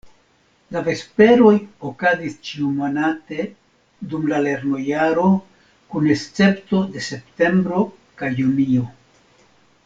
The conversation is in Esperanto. La Vesperoj okazis ĉiumonate dum la lernojaro kun escepto de septembro kaj junio.